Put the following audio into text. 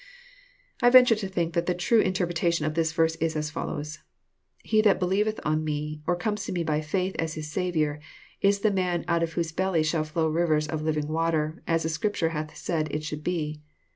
I venture to think that the true interpretation of the verse is as follows :—" He that believeth on me, or comes to me by faith as his Saviour, is the man out of whose belly shall flow rivers of living water, as the Scripture hath said it should be."